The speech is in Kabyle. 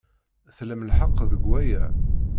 Tlam lḥeqq deg waya.